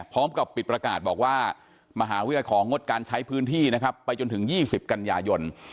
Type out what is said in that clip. พร้อมกับปิดประกาศบอกว่ามหาวิทยาลัยของงดการใช้พื้นที่นะครับไปจนถึง๒๐กันยายน